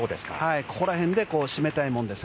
ここらへんで締めたいものです。